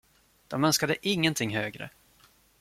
De önskade ingenting högre.